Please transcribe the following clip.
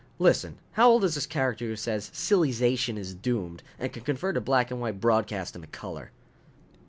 "Listen, how old is this character who says silly zation is doomed and can convert a black and white broadcast into color?"